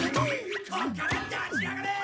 こっから出しやがれー！